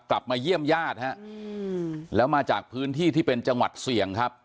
กลับมาเยี่ยมญาติฮะแล้วมาจากพื้นที่ที่เป็นจังหวัดเสี่ยงครับ